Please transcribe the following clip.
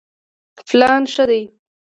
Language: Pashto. پلان ښه دی.